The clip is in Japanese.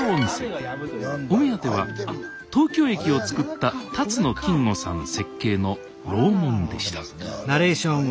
お目当ては東京駅を造った辰野金吾さん設計の楼門でしたスタジオああ楼門。